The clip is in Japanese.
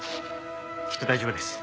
きっと大丈夫です。